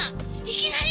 いきなり？